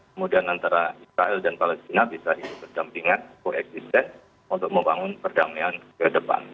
kemudian antara israel dan palestina bisa hidup berdampingan koeksisten untuk membangun perdamaian ke depan